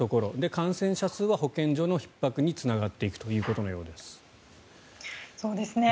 感染者数は保健所のひっ迫につながっていくということのようです。